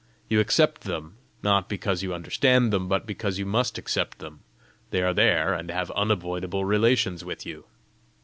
You accept them, not because you understand them, but because you must accept them: they are there, and have unavoidable relations with you!